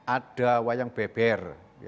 ada wayang beber